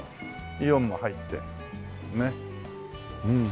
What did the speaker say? イオンも入ってねっ。